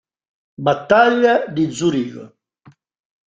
Battaglia di Zurigo